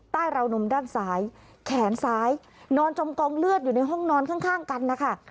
ราวนมด้านซ้ายแขนซ้ายนอนจมกองเลือดอยู่ในห้องนอนข้างกันนะคะ